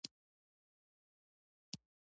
هغه تر جروبي پوري تعقیب کړ.